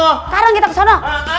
sekarang kita ke sana